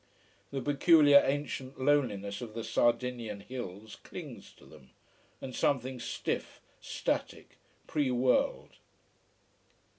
The peculiar ancient loneliness of the Sardinian hills clings to them, and something stiff, static, pre world.